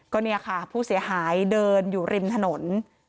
พวกรบะผู้เสียหายเดินอยู่ริมถนน